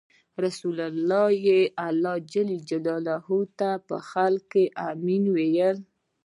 رسول الله ﷺ ته به خلکو “امین” ویل.